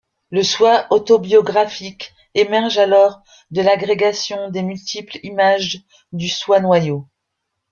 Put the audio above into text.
Le soi autobiographique émerge alors de l’agrégation des multiples images du soi-noyau.